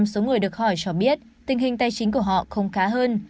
bốn mươi ba số người được hỏi cho biết tình hình tài chính của họ không khá hơn